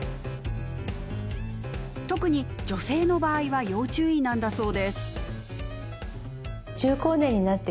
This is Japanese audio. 特に女性の場合は要注意なんだそうです。